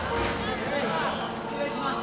お願いします。